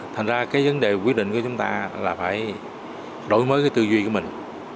thành ra cái vấn đề quyết định của chúng ta là phải đổi mới cái tư duy của mình